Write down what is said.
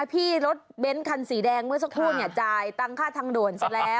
พี่รถเบ้นคันสีแดงเมื่อสักครู่จ่ายตังค่าทางด่วนเสร็จแล้ว